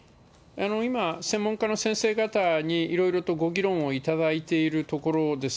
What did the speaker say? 今、専門家の先生方にいろいろとご議論をいただいているところです。